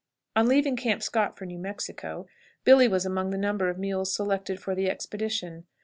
On leaving Camp Scott for New Mexico Billy was among the number of mules selected for the expedition.